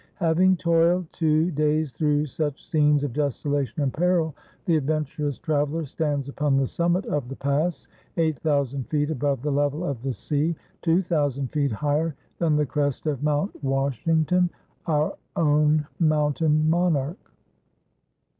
Having toiled two days through such scenes of desolation and peril, the adventurous traveler stands upon the summit of the pass, eight thousand feet above the level of the sea, two thousand feet higher than the crest of Mount Washing ton, our own mountain monarch.